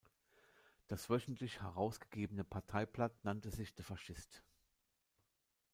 Das wöchentlich herausgegebene Parteiblatt nannte sich "De Fascist".